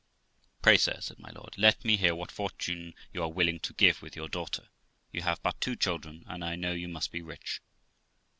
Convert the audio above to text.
'Pray, sir', said my lord, 'let me hear what fortune you are willing to give with your daughter; you have but two children, and I know you must be rich.'